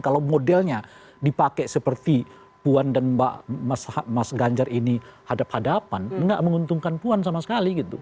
kalau modelnya dipakai seperti puan dan mbak mas ganjar ini hadap hadapan nggak menguntungkan puan sama sekali gitu